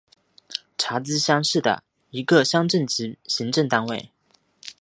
查孜乡是的一个乡镇级行政单位。